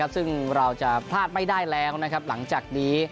ซึ่งเราจะพลาดไม่ได้แล้วหลังจากนี้